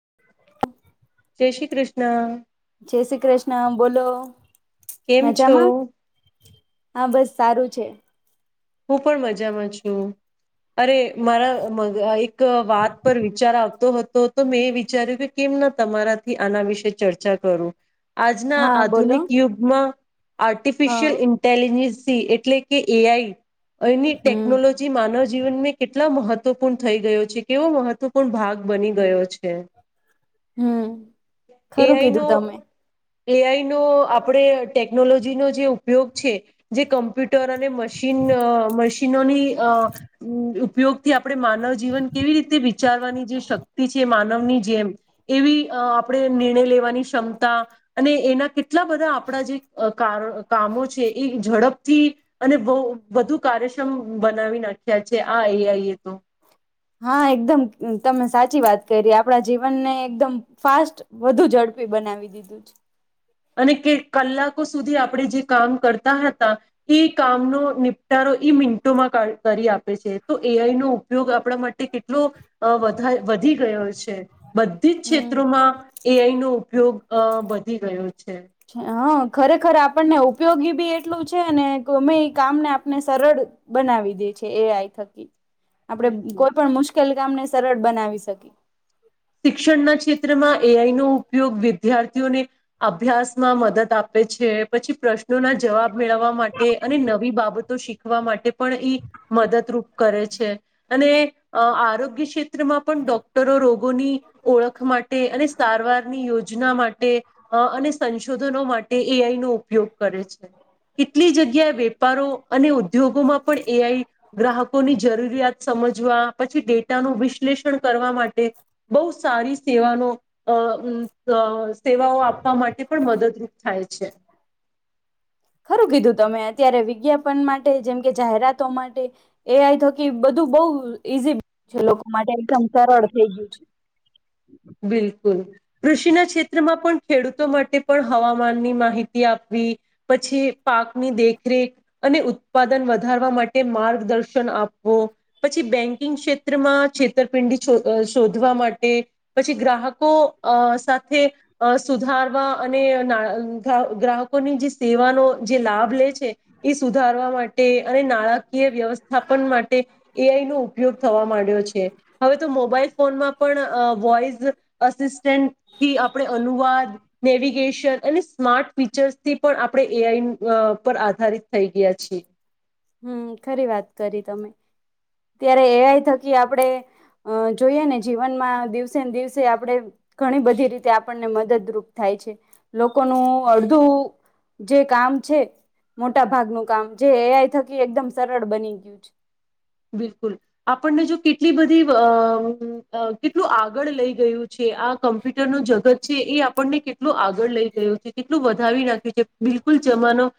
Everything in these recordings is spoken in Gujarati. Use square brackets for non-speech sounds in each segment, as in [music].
[inaudible] [unintelligible] જય શ્રી કૃષ્ણ. જય શ્રી કૃષ્ણ. બોલો, કેમ છો મજામાં હા, બસ સારું છે. હું, પણ મજામાં છું. અરે મારા એક વાત પર વિચાર આવતો હતો તો મેં એ વિચાર્યું કે કેમ ના તમારાથી આના વિશે ચર્ચા કરું, આજના હા બોલો આધુનિક યુગમાં હા આર્ટિફિશિયલ ઇન્ટટેલીિજન્સ એટલે, કે એ. આઈ. એની હમ ટેકનોલોજી માનવ જીવન કેટલા મહત્વ. મહત્વપૂર્ણ થઈ ગયો છે કેવો મહત્વપૂર્ણ ભાગ બની ગયો છે. હમ, ખરું કીધું તમે, એ આઈ નો આપણે ટેકનોલોજીનોો જે ઉપયોગ છે, જે કમ્પ્યુટર અને મશીન મશીનોની અ ઉપયોગથી આપણે માનવ જીવન કેવી રીતે વિચારવાની જે શક્તિ છે. માનવની જેમ એવી આપણે નિર્ણય લેવાની ક્ષમતા અને એના એટલા બધા આપણા જે કામો છે. એ ઝડપ અને બહ વધુ કાર્યક્ષમ બનાવી નાખ્યા છે. આ એ. આઈ. એ તો. હા, એકદમ તમે સાચી વાત કરી આપણા જીવનને એકદમ ફાસ્ટ વધુ ઝડપી બનાવી દીધું છે. અને કે કલાકો સુધી આપણે જે કામ કરતા હતા. કામનો નિપટારો ઈ મિંન્ટોમાં કરી આપે છે. તો એ. આઈ નો ઉપયોગ આપણા માટે કેટલું અ વધ વધી ગયો છે. બધી, જ હમ ક્ષેત્રોમાં એ આઈ નો ઉપયોગ અ વધી ગયો છે. જ્યાં... ખરેખર આપણને ઉપયોગી બી એટલું છે અને ગમે ઈ કામને આપને સરળ બનાવી દે છે એ આઈ થકી. આપડે બિલકુલ કોઈપણ મુશ્કેલ કામને સરળ બનાવી શકી. શિક્ષણના ક્ષેત્રમાં એ આઈ નો ઉપયોગ વિદ્યાર્થીઓને અભ્યાસમાં મદદ આપે છે પછી પ્રશ્ન નો ના જવાબ મેળવવા માટે અને નવી બાબતો શીખ હવા માટે પણ ઈ મદદરૂપ કરે છે અને અ આરોગ્ય ક્ષે તેમાં પણ ડોક્ટરો રોગ ની ઓળખ માટે અને સારવારની યોજના માટે અ અને સંશોધનો માટે એ આઈ નો ઉપયોગ કરે છે કેટલી જગ્યાએ વેપારો અને ઉદ્યોગોમાં પણ એ આઈ ગ્રાહકોની જરૂરિયાત સમજવા પછી ડેટાનું વિશ્લેષણ કરવા માટે બહુ સારી સેવાનો અ ઉ લ સ. સેવાઓ આપવા માટે પણ મદદરૂપ થાય છે. છે. ખરું કીધું તમે અત્યારે વિજ્ઞાપન માટે જેમ કે જાહેરાતો માટે એ આઈ થકી બધું બઉ ઈઝી છે લોકો માટે એકદમ સરળ થઈ ગયું છે. બિલકુલ કૃષિના ક્ષેત્રમાં પણ ખેડૂતો માટે પણ હવામાનની માહિતી આપવી પછી પાકની દેખરેખ અને ઉત્પાદન વધારવા માટે માર્ગદર્શન આપવું પછી બેંકિંગ ક્ષેત્રમાં છેતરપિંડી શોધ શોધવા માટે પછી ગ્રાહકો અ સાથે અ સુધારવા અને અ નાળ અ ગ્રાહ ગ્રાહકોની જે સેવાનો જે લાભ લે છે એ સુધારવા માટે તે અને નાણાકીય વ્યવસ્થાપન માટે એ આઈ નો ઉપયોગ થવા માંડ્યો છે હવે તો મોબાઈલ ફોનમાં પણ અ વોઈઝ અસિસ્ટન્ટથી આપણે અનુવાદ નેવિગેશન અને સ્માર્ટ ફીચર્સથી પણ આપણે એ આઈ ન અ પર આધારિત થઈ ગયા છીએ. હમ ખરી વાત કરી તમે ત્યારે એ આઈ થકી આપડે અ જોઈએ ને જીવનમાં દિવસે ને દિવસે આપણે ઘણી બધી રીતે આપણને મદદરૂપ થાય છે લોકોનું અડધું જે કામ છે મોટા ભાગનું કામ જે એ આઈ થકી કે એકદમ સરળ બની ગ્યું છે. બિલકુલ આપણને જો કેટલી બધી અ અ કેટલું આગળ લઈ ગયું છે આ કમ્પ્યુટરનું જગત છે એ આપણને કેટલું આગળ લઈ ગયું છે કેટલું વધાવી નાખ્યું છે બિલકુલ જમાનો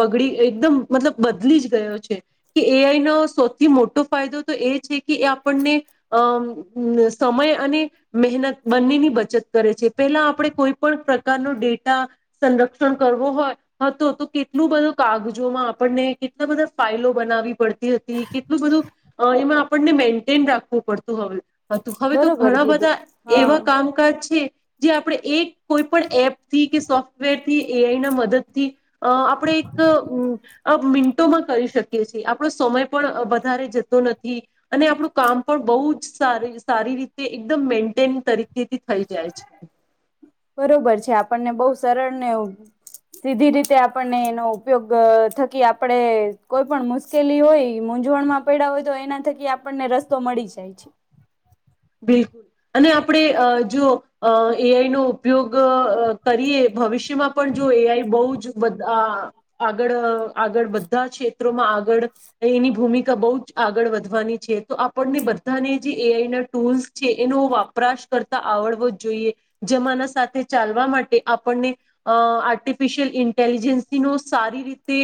બગડી એકદમ મતલબ બદલી જ ગયો છે કે એ આઈનો શો થી મોટો ફાયદો તો એ છે કે એ આપણને અ ઉમ સમય અને મહેનત બંનેની બચત કરે છે પહેલા આપણે કોઈ પણ પ્રકારનો ડેટા સંરક્ષણ કરવો હોય હતો તો કેટલું બધું કાગજોમાં આપણને કેટલા બધા ફાાઈલો બનાવવી પડતી હતી. કેટલું બધું અ એમાં આપણને મેન્ટેન રાખવું પડતું હવે હતું હવે તો બરોબર ઘણા બધા કીધું હા એવા કામકાજ છે. જે આપણે એક કોઈપણ એપથી કે સોફ્ટવેર થી એ આઈ ના મદદ થી અ આપણે એક ઉમ આ મિન્ટોમાં કરી શકીએ છીએ આપણો સમય પણ અ વધારે જતો નથી અને આપણું કામ પણ બહુ જ સારી સારી રીતે એકદમ મેન્ટેન તરીકે તેથી થઈ જાય છે. પણને બહુ સરળને સીધી રીતે આપણને એનો ઉપયોગ અહ થકી આપણે કોઈ પણ મુશ્કેલી હોય મૂઝવણમાં પૈડા હોય તો એના થકી આપણને રસ્તો મળી જાય છે. બિલકુલ અને આપડે અહ જો અહ એ આઈ નો ઉપયોગ અહ અહ કરીએ ભવિષ્ય તો આપણ જો એ આઈ બહુજ બધ આ-આગળ અ-આગળ બધા ક્ષેત્રોમાં આગળ એની ભૂમિકા બહુજ આગળ વધવાની છે. તો આપણને બધાને જે એ આઈ ના ટૂલ્સ છે, એનો વપરાશ કરતા આવડવો જ જોઈએ. જમાના સાથે ચાલવા માટે આપણને અહ આર્ટિફિશિયલ ઇન્ટેલિજન્સીનો સારી રીતે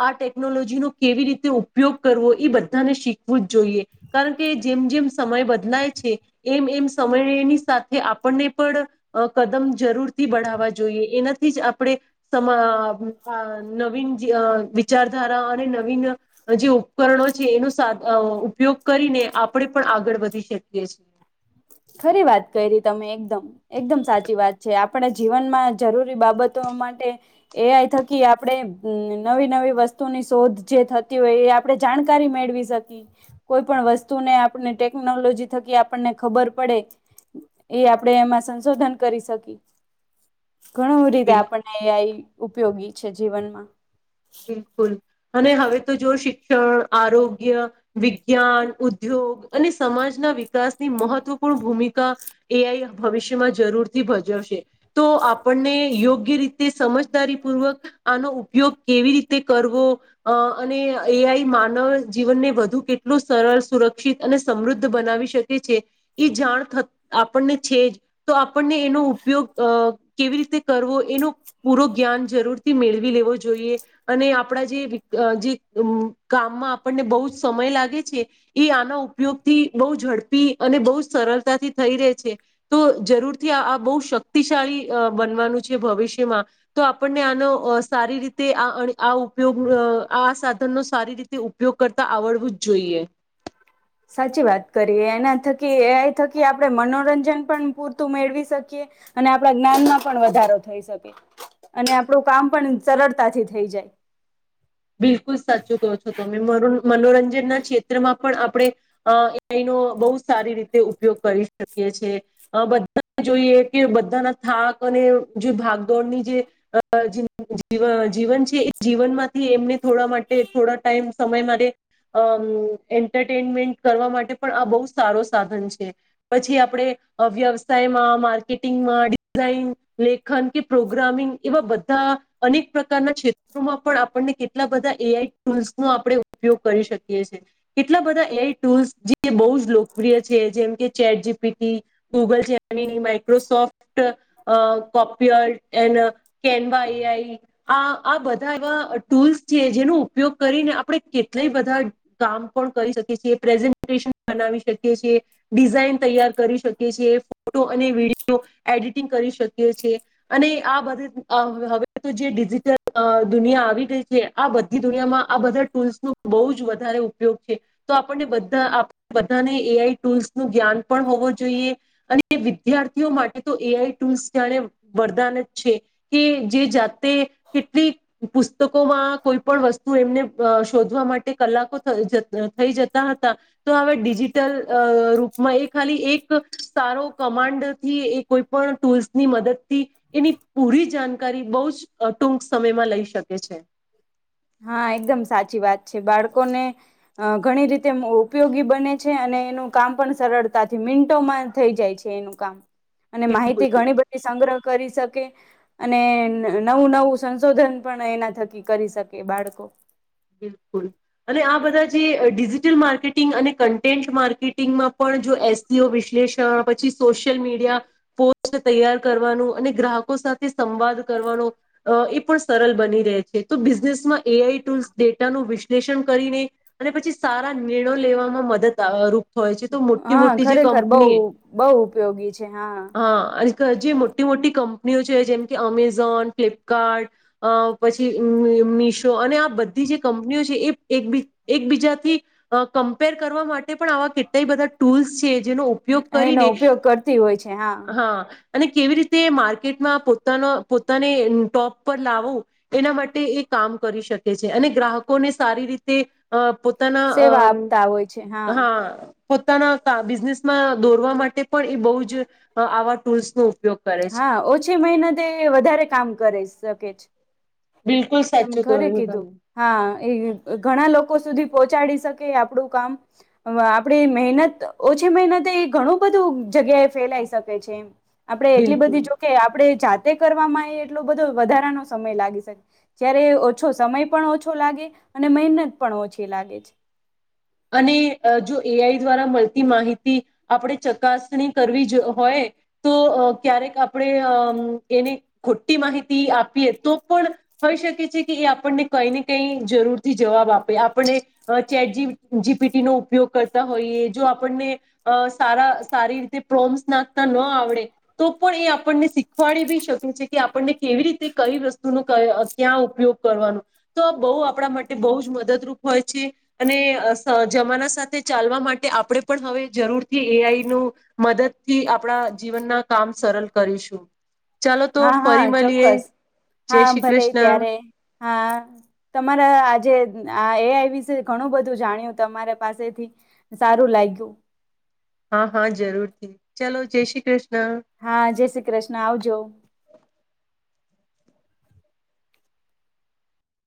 હ ટેકનોલોજીનો કેવી રીતે ઉપયોગ કરવો ઈ બધાને શીખવું જ જોઈએ. કારણ કે જેમ-જેમ સમય બદલાય છે, એમ-એમ સમય એની સાથે આપણને પણ અહ કદમ જરૂરથી બઢાવવા જોઈએ. એના થી જ આપણે સમા આ આ નવીન અહ વિચારધારા અને નવીન જે ઉપકરણો છે એનો સા અહ ઉપયોગ કરીને આપણે પણ આગળ વધી શક યે છે. ખરી વાત કરી તમે એકદમ-એકદમ સાચી વાત છે. આપણે જીવનમાં જરૂરી બાબતો માટે એ આઈ થકી આપણે નવી-નવી વસ્તુની શોધ જે થતી હોય એ આપણે જાણકારી મેળવી શકીએ. કોઈ પણ વસ્તુને આપણે ટેકનોલોજી થકી આપણને ખબર પડે, એ આપણેે એમાં સંશોધન કરી શકી. ઘણાં હુદી દે બિલકુલ આપણને એ આઈ ઉપયોગી છે જીવનમાં. બિલકુલ અને હવે તો જો શિક્ષણ, આરોગ્ય, વિજ્ઞાન, ઉદ્યોગ અને સમાજના વિકાસની મહત્વપૂર્ણ ભૂમિકા એ આઈ ભવિષ્યમાં જરૂરથી ભજવશે. તો આપણને યોગ્ય રીતે સમજદારી પૂર્વક આનો ઉપયોગ કેવી રીતે કરવો અહ અને એ આઈ માનવ જીવનને વધુ કેટલું સરળ, સુરક્ષિત અને સમૃદ્ધ બનાવી શકે છે. એ જાણ થ આપણને છે જ. તો આપણને એનો ઉપયોગ અહ કેવી રીતે કરવો એનો પૂરો જ્ઞાન જરૂરથી મેળવી લેવો જોઈએ. અને આપણા જે વિક્ત જે અમ્મ કામમાં આપણને બહુ જ સમય લાગે છે, એ આનો ઉપયોગથી બહુ ઝડપી અને બહુ જ સરળતાથી થઈ રહે છે. તો જરૂરથી આ બહુ શક્તિશાળી અહ બનવાનું છે ભવિષ્યમાં. તો આપણને અહ આનો સારી રીત તે આ અને ઉપયોગ આ અહ આ સાધન નો સારી રીતે ઉપયોગ કરતા આવડવું જ જોઈએ. સાચી વાત કરીએ. એના થકી એ આઈ થકી આપણે મનોરંજન પણ પૂરતું મેળવી શકીએ અને આપણા જ્ઞાનમાં પણ વધારો થઈ શકીએ. અને આપણું કામ પણ સરળતાથી થઈ જાય. બિલકુલ સાચું કહો છો તમે. મનો-મનોરંજન ના ક્ષેત્રમાં પણ આપણે અહ એનો બહુ સારી રીતે ઉપયોગ કરી શકીએ છે. અહ બધા જોઈએ કે બધાના થાક અને જુ ભાગદોડની જે અહ જી-જીવન-જીવન છે એ જીવનમાં થી એમને થોડા માટે થોડા ટાઈમ સમય માટે અમ્મ એન્ટરટેનમેન્ટ કરવા માટે પણ આ બહુ સારો સાધન છે. પછી આપણે અહ વ્યવસાયમાં માર્કેટિંગમાં ડિઝાઇન લેખન કે પ્રોગ્રામિંગ એવા બધા અનેક પ્રકારના ક્ષેત્રોમાં પણ આપ આપણને કેટલા બધા એ આઈ ટૂલ્સ ના આપણે ઉપયોગ કરી શકીએ છીએ. કેટલા બધા એ આઈ ટૂલ્સ જે બહુજ લોકપ્રિય છે. જેમ કે chat G P T, Google છે અને Microsoft uh Copilot N Canva A I આ-આ બધા એવા ટૂલ્સ છે, જેનો ઉપયોગ કરીને આપણે કેટલાય બધા કામ પણ કરી શકી છીએ. પ્રેઝન્ટેશન બનાવી શકીએ છીએ. ડિઝાઇન તૈયાર કરી શકીએ છીએ. ફોટો અને વીડિયો એડિટિંગ કરી શકીએ છીએ અને આ બધી અહ હવે તો જે ડિજિટલ અહ દુનિયા આવી ગઈ છે આ બધી દુનિયામાં આ બધા ટૂલ્સ નો બહુજ વધારે ઉપયોગ છે. તો આપણને બધા આપ બધાને એ આઈ ટૂલ્સ નું જ્ઞાન પણ હોવો જોઈએ અને વિ દ્યાર્થીઓ માટે તો એ આઈ ટૂલ્સ જાણે વરદાન જ છે. કે જે જાતે કેટલી કોમા કોઈ પણ વસ્તુ એમને અહ શોધવા માટે કલાકો થઈ જ-જતા હતા. તો હવે ડિજિટલ રૂપમાં અહ એ ખાલી એક સારો કમાન્ડથી એ કોઈ પણ ટૂલ્સની મદદ થી એની પૂરી જાણકારી બહુજઅહ ટૂંક સમયમાં લઈ શકે છે. હા, એકદમ સાચી વાત છે. બાળકોને અહ ઘણી રીતે ઉપયોગી બને છે. અને એનું કામ પણ સરળતાથી મિનન્ટોમાં થઈ જાય છે, એનું કામ. અને માહિતી ઘણી બધી સંગ્રહ કરી શક કે અને નવું-નવું સંશોધન પણ એના થકી કરી શકે બાળકો. બિલકુલ અને આ બધા જે અહ ડિજિટલ માર્કેટિંગ અને કન્ટેન્ટ માર્કેટિંગમાં પણ જો એસ સી ઓ વિશ્લેષણ પ છી સોશિયલ મીડિયા, પોસ્ટ તૈયાર કરવાનું અને ગ્રાહકો સાથે સંવાદ કરવાનો અહ એ પણ સરળ બની રહે છે. તો બિઝનેસમાં એ આઈ ટૂલ્સ ડેટાનું વિશ્લેષણ કરીને અને પછી સારા નિર્ણયો લેવામાં મદદ રૂપ હોય છે તો મોટી હા મોટી જે ખરેખર બઉ કંપની બઉ ઉપયોગી છે હા અને જે મોટી મોટી કંપ ન્યુ જો જેમ કે અમેઝોન ફ્લિપકાર્ટ અ પછી મીશો અને આ બધા કંપનીઓ છે એકબીજાથી કમ્પેર કરવા માટે પણ આવા કેટલાય બધા ટૂલ્સ છે જેનો ઉપયોગ એનો કરીને ઉપયોગ કરતી હોય છે હા અને કેવી રીતે માર્કેટમાં પોતાના પોતાને ટોપ પર લાવો એના માટે એ કામ કરી શકે છે. અને ગ્રાહકોને સારી રીતે અ પોતાના સેવા આપતા હોય છે અ હા. પોતાના બિઝનેસમાં દોરવા માટે પણ એ બહુ જ આવા ટૂલ્સ ન હા ઓછી મિનતે વધારે કામ કરે શકે. બિલકુલ તમે સાચું ઘરે કહ્યું કીધું તમે હા એ ઘણા લોકો સુધી પહોંચાડી શકે આપણું કામ આપણે મહેનત ઓછી મહેનત એ ઘણું બધું જગ્યાએ ફેલાઈ શકે છે એમ. આપડે એટલી બિલકુલ. બધી જોકે આપણે જાત તે કરવામાં એટલો બધો વધારાનો સમય લાગી શકે જ્યારે ઓછો સમય પણ ઓછો લાગે અને મહેનત પણ ઓછી લાગે છે. અને જો એઆઈ દ્વારા મળ માહિતી આપણે ચકાસણી કરવી હોય તો ક્યારેક આપણે અમ એને ખોટી માહિતી આપીએ તો પણ હોઈ શકે છે કે એ આપણને કઈ ને કઈ જરૂરથી જવાબ આપે આપણને ચેટજી જીપીટી નો ઉપયોગ કરતા હોઈએ જો આપણને સારા સારી રીતે પપ્રોમ્પટ્સ નાખ ન આવડે તો પણ એ આપણને શીખવાડી બી શકે છે કે આપણને કેવી રીતે કઈ વસ્તુનો ક્યાં ઉપયોગ કરવાનો તો આ બહુ આપણા માટે બહુ જ મદદરૂપ હોય છે. અને જમાના સાથે ચાલવા માટે આપણે પણ, હવે, જરૂરથી એઆઈ નું મદદ થી આપણા જીવનના કામ સરળ કરીશું ચાલો તો હા. હા. ફરી મળીએ ચોક્કસ જય હા શ્રી ભલે કૃષ્ણ ત્યારે હા, તમારા આજે. એ વિશે ઘણું બધું જાણ્યું તમારે પાસેથી સારું લાગ્યું. હા, હા જરૂરથી ચલો જય શ્રી કૃષ્ણ. હા જય શ્રી કૃષ્ણ આવજો.